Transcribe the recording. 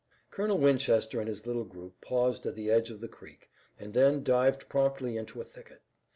Colonel Winchester and his little group paused at the edge of the creek, and then dived promptly into a thicket.